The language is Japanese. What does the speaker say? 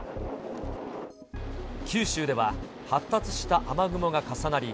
九州では、発達した雨雲が重なり、